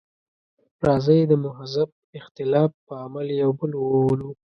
راځئ د مهذب اختلاف په عمل یو بل وولو.